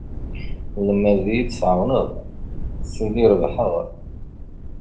Lemmer d iyi-tɛawneḍ tili rebḥeɣ.